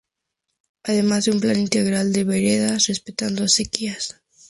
Además de un Plan integral de veredas, respetando acequias.